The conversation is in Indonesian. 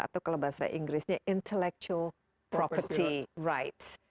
atau kalau bahasa inggrisnya intellectual property rights